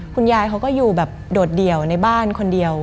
คุณยายเขาก็อยู่แบบโดดเดี่ยวในบ้านคนเดียว